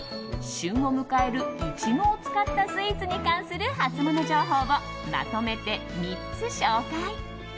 旬を迎えるイチゴを使ったスイーツに関するハツモノ情報をまとめて３つ紹介。